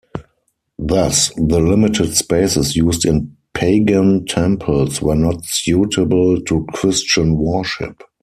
Thus, the limited spaces used in pagan temples were not suitable to Christian worship.